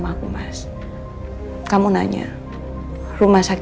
tentang kecelakaan next time test